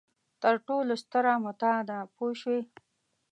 تر ټولو ستره متاع ده پوه شوې!.